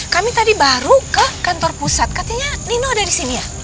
kami tadi baru ke kantor pusat katanya nino ada di sini ya